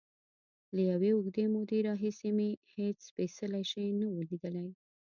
له یوې اوږدې مودې راهیسې مې هېڅ سپېڅلی شی نه و لیدلی.